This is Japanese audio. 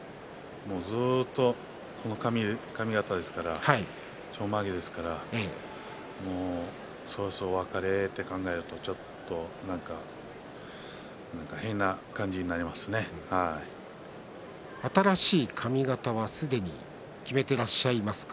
もうずっと、この髪形ですからちょんまげですからそろそろお別れと考えるとちょっと、なんか新しい髪形はすでに決めていらっしゃいますか。